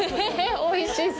おいしそ。